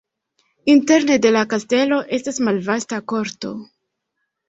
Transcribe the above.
Interne de la kastelo estas malvasta korto.